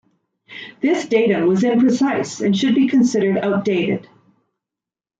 This datum was imprecise and should be considered outdated.